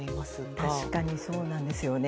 確かにそうなんですよね。